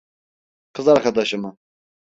Kız arkadaşı mı?